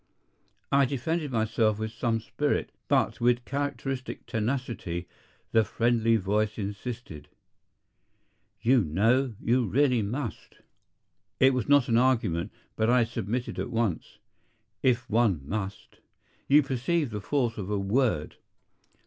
I defended myself with some spirit; but, with characteristic tenacity, the friendly voice insisted, "You know, you really must." It was not an argument, but I submitted at once. If one must!... You perceive the force of a word.